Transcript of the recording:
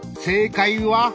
正解は？